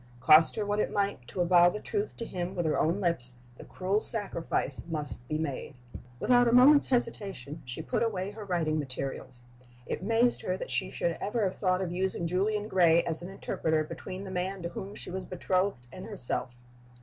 Cost her what it might to avow the truth to him with her own lips, the cruel sacrifice must be made. Without a moment's hesitation she put away her writing materials. It amazed her that she should ever have thought of using Julian Gray as an interpreter between the man to whom she was betrothed and herself.